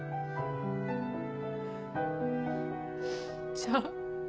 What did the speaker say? じゃあ。